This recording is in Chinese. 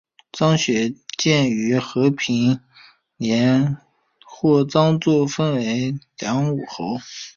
张玄靓于和平元年获张祚封为凉武侯。